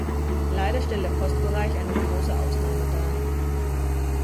Leider stellt der Postbereich eine große Ausnahme dar.